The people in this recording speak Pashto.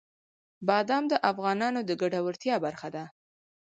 بادام د افغانانو د ګټورتیا برخه ده.